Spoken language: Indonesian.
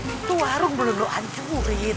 itu warung belum lo hancurin